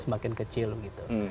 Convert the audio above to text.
semakin kecil gitu